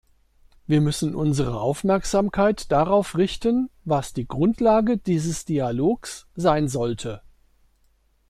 Wir müssen unsere Aufmerksamkeit darauf richten, was die Grundlage dieses Dialogs sein sollte.